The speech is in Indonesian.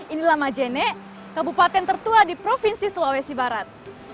inilah majene kabupaten tertua di provinsi sulawesi barat